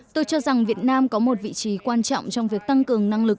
tôi cho rằng việt nam có một vị trí quan trọng trong việc tăng cường năng lực